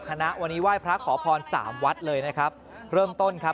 คณะวันนี้ไหว้พระขอพรสามวัดเลยนะครับเริ่มต้นครับ